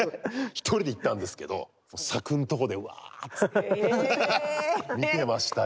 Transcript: １人で行ったんですけど柵んとこでワーッ！つって見てましたよ。